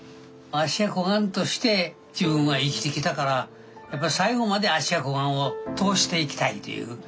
芦屋小雁として自分は生きてきたからやっぱり最後まで芦屋小雁を通していきたいという。